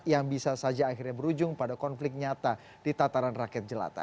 yang bisa saja akhirnya berujung pada konflik nyata di tataran rakyat jelata